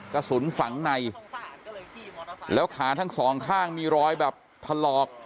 กระสุนฝังในแล้วขาทั้งสองข้างมีรอยแบบถลอก